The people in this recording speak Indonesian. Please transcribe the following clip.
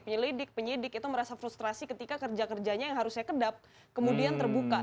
penyelidik penyidik itu merasa frustrasi ketika kerja kerjanya yang harusnya kedap kemudian terbuka